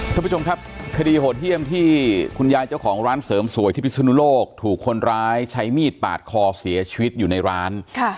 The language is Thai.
ท่านผู้ชมครับคดีโหดเยี่ยมที่คุณยายเจ้าของร้านเสริมสวยที่พิศนุโลกถูกคนร้ายใช้มีดปาดคอเสียชีวิตอยู่ในร้าน